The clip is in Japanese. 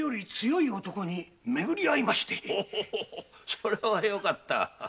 それはよかった。